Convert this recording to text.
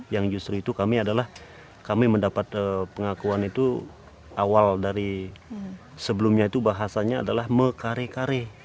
yang justru itu kami adalah kami mendapat pengakuan itu awal dari sebelumnya itu bahasanya adalah mekare kare